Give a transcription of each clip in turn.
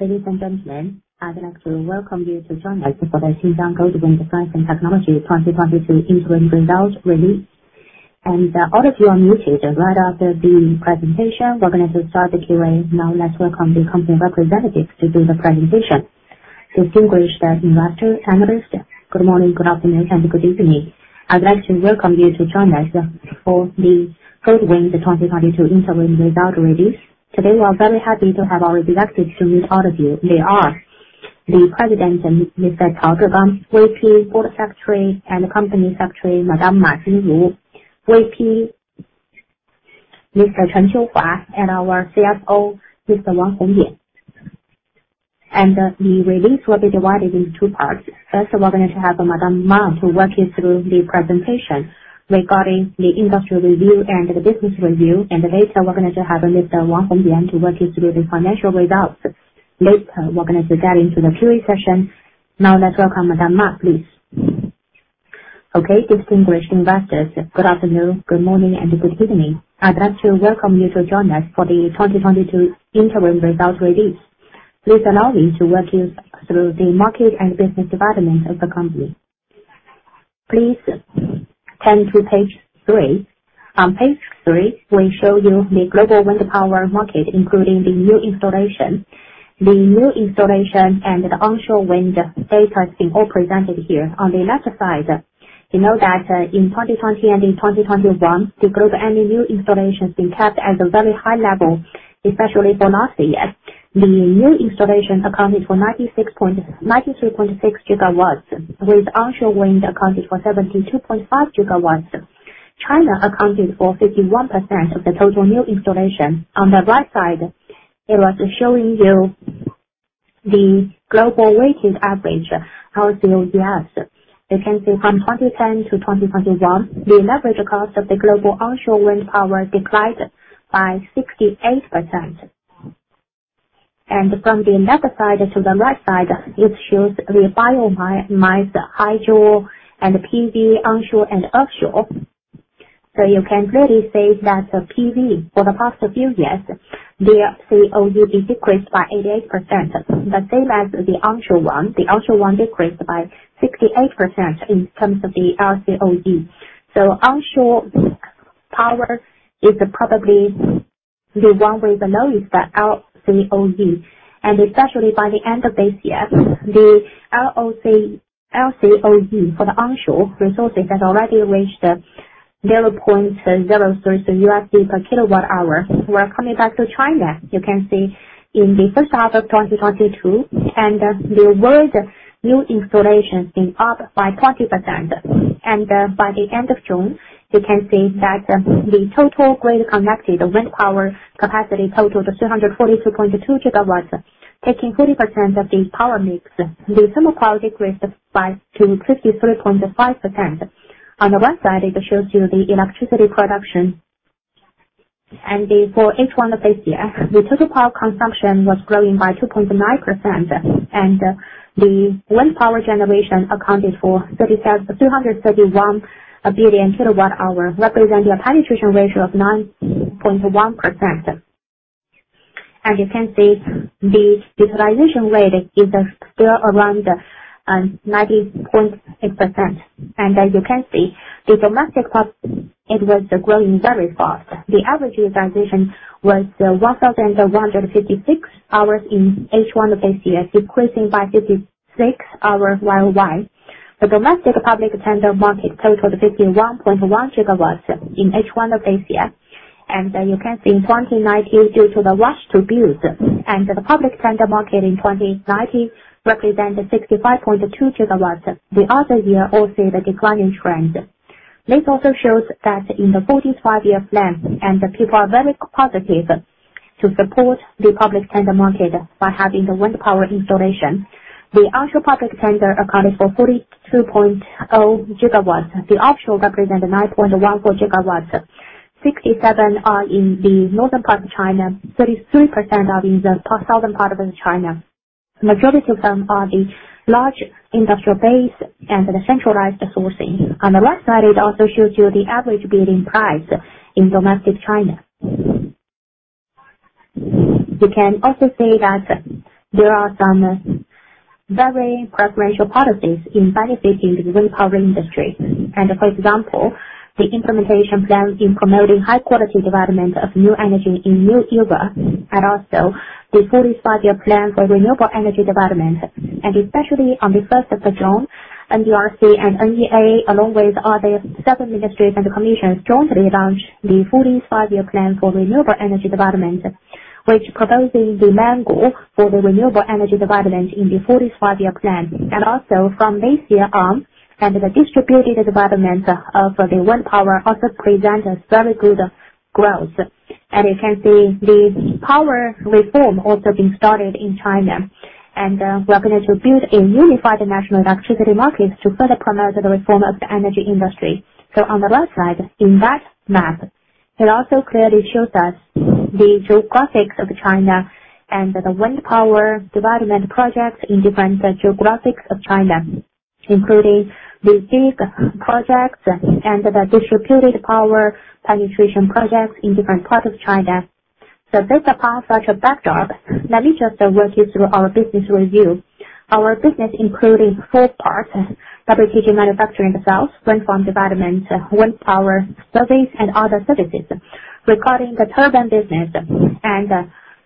Ladies and gentlemen, I'd like to welcome you to join us for the Xinjiang Goldwind Science & Technology 2022 interim results release. All of you are muted. Right after the presentation, we're gonna start the Q&A.Now let's welcome the company representatives to do the presentation. Distinguished investor analysts, good morning, good afternoon, and good evening. I'd like to welcome you to join us for the Goldwind 2022 interim results release. Today, we are very happy to have our executives to meet all of you. They are the President, Mr. Cao Zhigang. VP, Board Secretary and Company Secretary, Madam Ma Jinru. VP, Mr. Chen Qiuhua, and our CFO, Mr. Wang Hongyan. The release will be divided in two parts. First, we're going to have Madam Ma to walk you through the presentation regarding the industry review and the business review. Later, we're going to have Mr. Wang Hongyan to walk you through the financial results. Later, we're gonna get into the Q&A session. Now, let's welcome Madam Ma, please. Okay. Distinguished investors, good afternoon, good morning, and good evening. I'd like to welcome you to join us for the 2022 interim results release. Please allow me to walk you through the market and business development of the company. Please turn to page 3. On page 3, we show you the global wind power market, including the new installation. The new installation and the onshore wind data is being all presented here. On the left side, you know that, in 2020 and in 2021, the global and the new installations been kept at a very high level, especially for last year. The new installation accounted for 96 point... 93.6 gigawatts, with onshore wind accounted for 72.5 gigawatts. China accounted for 51% of the total new installation. On the right side, it was showing you the global weighted average LCOE. You can see from 2010 to 2021, the average cost of the global onshore wind power declined by 68%. From the left side to the right side, it shows the biomass, hydro and PV onshore and offshore. You can clearly say that the PV for the past few years, their LCOE is decreased by 88% the same as the onshore one. The onshore one decreased by 68% in terms of the LCOE. Onshore power is probably the one with the lowest LCOE. Especially by the end of this year, the LCOE for the onshore resources has already reached $0.03 per kWh. We're coming back to China. You can see in the first half of 2022, the world new installations been up by 20%. By the end of June, you can see that the total grid connected wind power capacity total to 342.2 GW, taking 40% of the power mix. The thermal power decreased to 53.5%. On the right side, it shows you the electricity production. For H1 of this year, the total power consumption was growing by 2.9%. The wind power generation accounted for 331 billion kWh, representing a penetration ratio of 9.1%. As you can see, the utilization rate is still around 90.6%. As you can see, the domestic power it was growing very fast. The average utilization was 1,156 hours in H1 of this year, decreasing by 56 hours year-over-year. The domestic public tender market totaled 51.1 GW in H1 of this year. You can see in 2019, due to the rush to build, the public tender market in 2019 represent 65.2 GW. The other years also the declining trend. This also shows that in the 14th Five-Year Plan, people are very positive to support the public tender market by having the wind power installation. The offshore public tender accounted for 42.0 GW. The offshore represent 9.14 GW. 67% are in the northern part of China. 33% are in the southeastern part of China. Majority of them are the large industrial base and the centralized sourcing. On the right side, it also shows you the average bidding price in domestic China. You can also see that there are some very preferential policies benefiting the wind power industry. For example, the Implementation Plan for Promoting the High-Quality Development of New Energy in the New Era, and also the 14th Five-Year Plan for Renewable Energy Development. Especially on June 1, NDRC and NEA, along with other seven ministries and commissions, jointly launched the 14th Five-Year Plan for Renewable Energy Development, which proposes the main goal for the renewable energy development in the 14th Five-Year Plan. From this year on, the distributed development of the wind power also presents a very good growth. You can see the power reform also being started in China. We are going to build a unified national electricity market to further promote the reform of the energy industry. On the left side, in that map, it also clearly shows us the geographies of China and the wind power development projects in different geographies of China. Including the big projects and the distributed power generation projects in different parts of China. Based upon such a backdrop, let me just walk you through our business review. Our business including four parts, WTG manufacturing sales, wind farm development, wind power service and other services. Regarding the turbine business and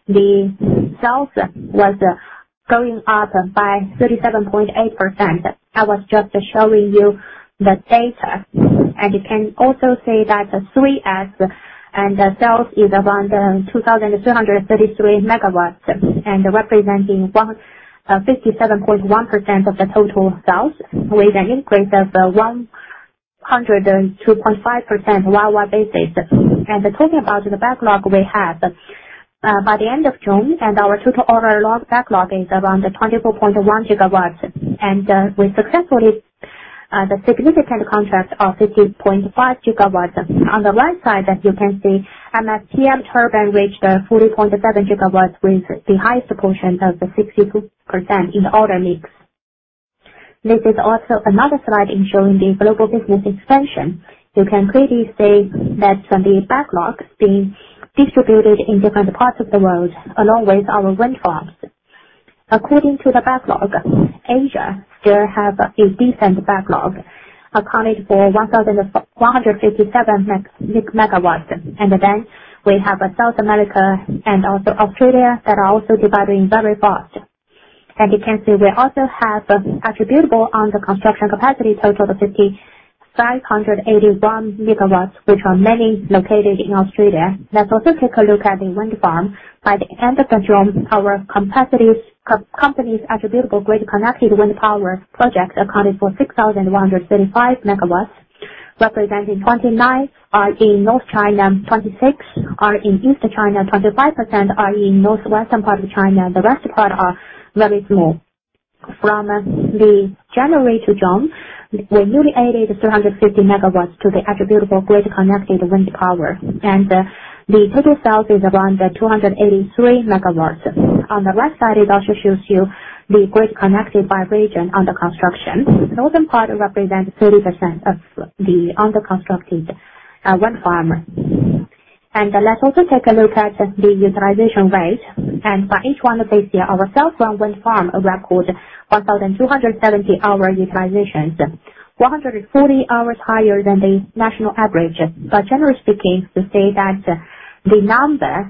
the sales was going up by 37.8%. I was just showing you the data, and you can also say that 3S and the sales is around 2,333 megawatts and representing 57.1% of the total sales, with an increase of 102.5% year-on-year basis. Talking about the backlog we have by the end of June, and our total order log backlog is around 24.1 gigawatts. The significant contracts are 15.5 gigawatts. On the right side, as you can see, PMDD turbine reached 40.7 gigawatts, with the highest proportion of the 60% in order mix. This is also another slide in showing the global business expansion. You can clearly see that from the backlogs being distributed in different parts of the world, along with our wind farms. According to the backlog, Asia, they have a decent backlog accounting for 1,157 MW. We have South America and also Australia that are also developing very fast. You can see we also have attributable under construction capacity total of 5,581 MW, which are mainly located in Australia. Let's also take a look at the wind farm. By the end of June, our companies attributable grid-connected wind power projects accounted for 6,135 MW, representing 29% in North China, 26% in East China, 25% in the northwestern part of China. The rest are very small. From January to June, we newly added 350 MW to the attributable grid-connected wind power. The total sales is around 283 MW. On the left side, it also shows you the grid-connected by region under construction. Northern part represents 30% of the under construction wind farm. Let's also take a look at the utilization rate. For H1 of this year, our sales from wind farm record 1,270 hour utilizations, 140 hours higher than the national average. Generally speaking, to say that the number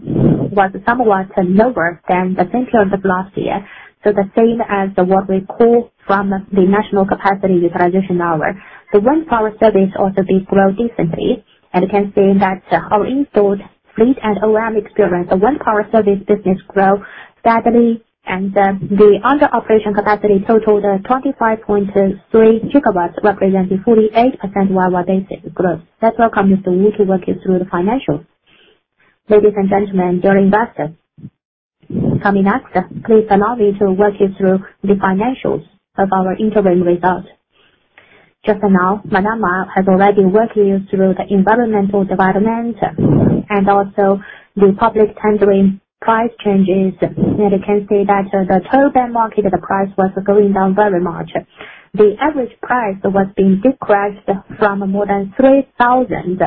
was somewhat lower than the same period of last year, so the same as what we pulled from the national capacity utilization hour. The wind power service also did grow decently, and you can see that our installed fleet and O&M experience, the wind power service business grow steadily and the operational capacity totaled 25.3 GW, representing 48% year-on-year basis growth. Let's welcome Mr. Wang to walk you through the financials. Ladies and gentlemen, dear investors. Coming next, please allow me to walk you through the financials of our interim results. Just now, Madam Ma has already walked you through the environmental development and also the public tendering price changes. You can see that the turbine market, the price was going down very much. The average price was being decreased from more than 3,000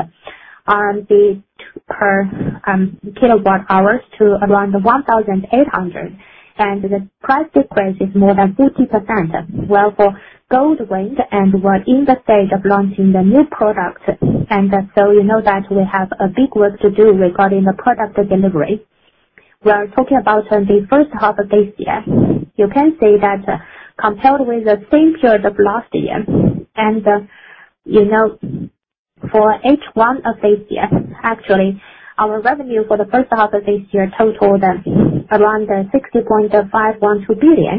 RMB per kilowatt hours to around 1,800. The price decrease is more than 50%. Well, for Goldwind and we're in the stage of launching the new product. You know that we have a big work to do regarding the product delivery. We are talking about the first half of this year. You can see that compared with the same period of last year, you know, for H1 of this year, actually, our revenue for the first half of this year totaled around 60.512 billion.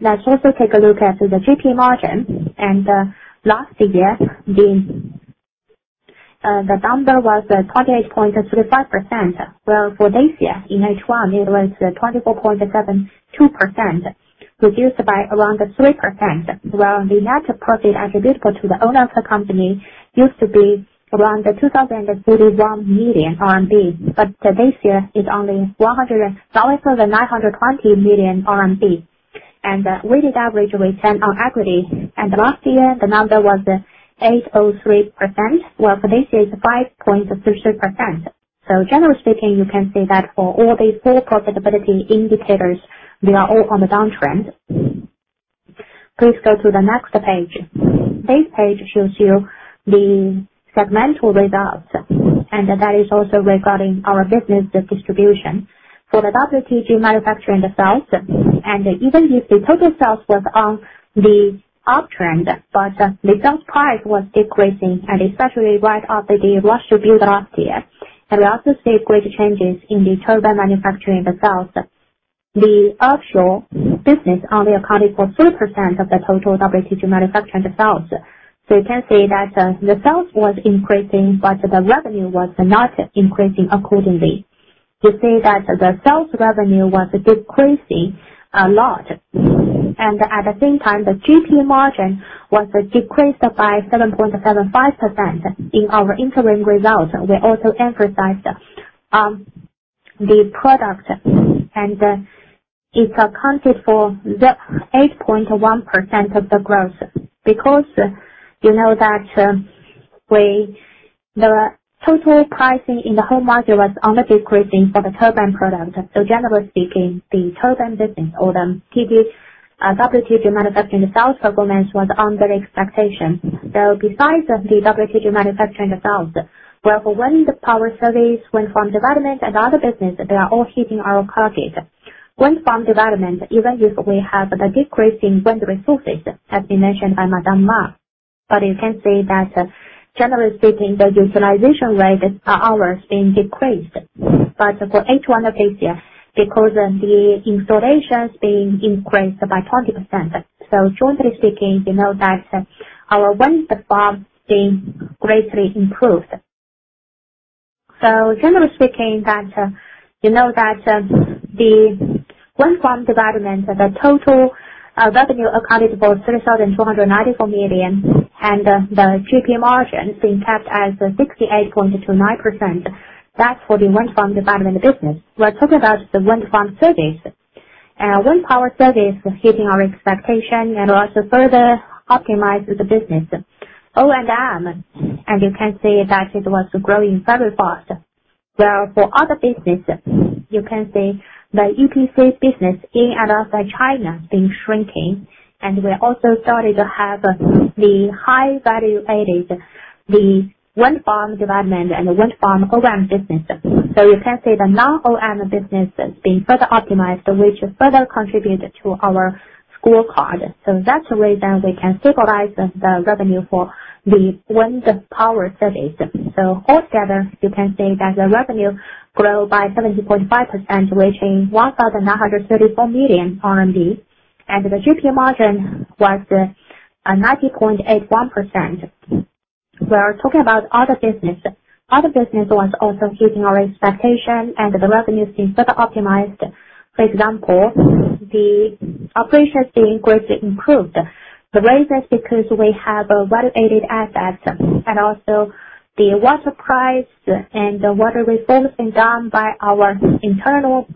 Let's also take a look at the GP margin. Last year, the number was 28.35%. Well, for this year, in H1, it was 24.72%, reduced by around 3%. The net profit attributable to the owners of the company used to be around 2,031 million RMB. This year it's only 920 million RMB. We did average return on equity. Last year, the number was 8.03%. Well, for this year it's 5.63%. Generally speaking, you can see that for all these 4 profitability indicators, they are all on the downtrend. Please go to the next page. This page shows you the segmental results, and that is also regarding our business distribution. For the WTG manufacturing sales, and even if the total sales was on the uptrend, but the sales price was decreasing, and especially right after the rush to build last year. We also see great changes in the turbine manufacturing itself. The offshore business only accounted for 3% of the total WTG manufacturing sales. You can see that, the sales was increasing, but the revenue was not increasing accordingly. You see that the sales revenue was decreasing a lot. At the same time, the GP margin was decreased by 7.75%. In our interim results, we also emphasized the product, and it accounted for the 8.1% of the growth. Because you know that, the total pricing in the whole market was only decreasing for the turbine product. Generally speaking, the turbine business or the TB, WTG manufacturing sales performance was under expectation. Besides the WTG manufacturing results, wind power service, wind farm development and other business, they are all hitting our target. Wind farm development, even if we have the decrease in wind resources, has been mentioned by Madam Ma. You can see that generally speaking, the utilization rate hours being decreased. For H1 of this year, because the installations being increased by 20%. Generally speaking, we know that our wind farm being greatly improved. Generally speaking, you know, the wind farm development, the total revenue accounted for 3,494 million and the GP margin being kept as 68.29%. That's for the wind farm development business. We are talking about the wind farm service. Wind power service is hitting our expectation and also further optimize the business. O&M, and you can see that it was growing very fast. Whereas for other business, you can see the EPC business in and outside China been shrinking. We also started to have the high value added, the wind farm development and wind farm O&M business. You can see the non-O&M business has been further optimized, which further contribute to our scorecard. That's the reason we can stabilize the revenue for the wind power service. Altogether, you can see that the revenue grow by 70.5%, reaching 1,934 million RMB. The GP margin was 90.81%. We are talking about other business. Other business was also hitting our expectation and the revenue is being further optimized. For example, the operations being greatly improved. The reason is because we have a value-added asset and also the water price and the water resource being done by our internal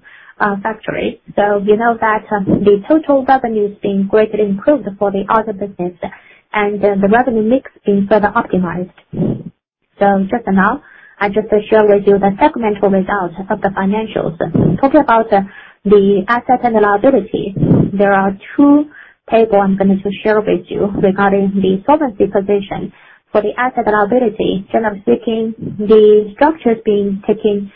factory. You know that the total revenue is being greatly improved for the other business and the revenue mix being further optimized. Just now, I just share with you the segmental results of the financials. Talking about the assets and liabilities, there are two tables I'm going to share with you regarding the solvency position. For the asset and liability, generally speaking, the structure is being taken,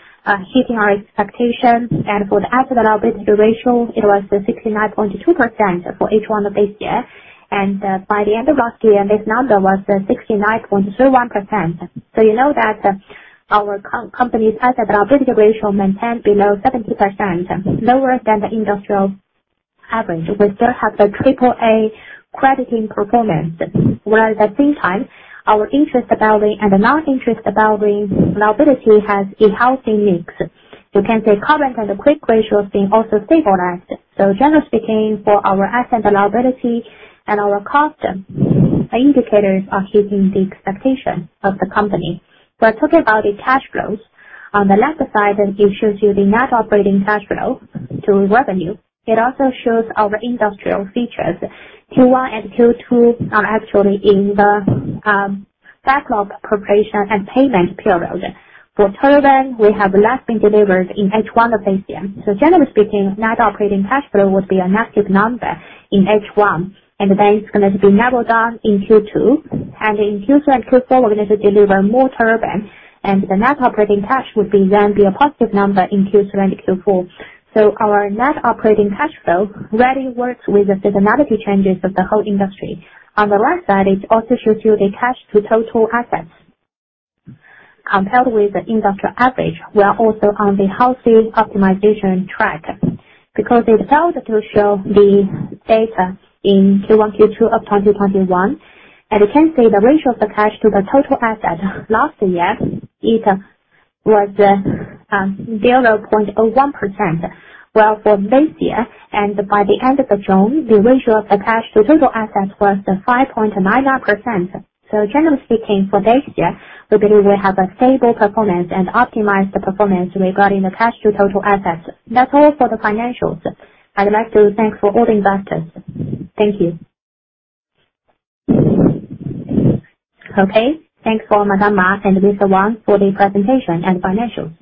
hitting our expectations. For the asset and liability ratio, it was 69.22% for H1 of this year. By the end of last year, this number was 69.01%. You know that our company's asset and liability ratio maintained below 70%, lower than the industrial average. We still have the AAA credit rating. Whereas at the same time, our interest-bearing and the non-interest-bearing liability has a healthy mix. You can see current and quick ratio is being also stabilized. Generally speaking, for our asset and liability and our cost, indicators are hitting the expectation of the company. We're talking about the cash flows. On the left side, it shows you the net operating cash flow to revenue. It also shows our industrial features. Q1 and Q2 are actually in the backlog preparation and payment period. For turbines, fewer have been delivered in H1 of this year. Generally speaking, net operating cash flow would be a negative number in H1, and then it's gonna be leveled down in Q2. In Q3 and Q4, we're going to deliver more turbines and the net operating cash flow would then be a positive number in Q3 and Q4. Our net operating cash flow really works with the seasonality changes of the whole industry. On the right side, it also shows you the cash to total assets. Compared with the industrial average, we are also on the healthy optimization track. Because the chart will show the data in Q1, Q2 of 2021, and you can see the ratio of the cash to the total assets. Last year it was 0.01%. Whereas for this year and by the end of June, the ratio of the cash to total assets was 5.99%. Generally speaking for this year, we believe we have a stable performance and optimized performance regarding the cash to total assets. That's all for the financials. I'd like to thank all the investors. Thank you. Okay. Thanks to Madam Ma Jinru and Mr. Wang Hongyan for the presentation and financials.